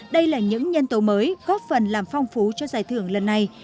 đây là những nhân tố mới góp phần làm phong phú cho giải thưởng lần này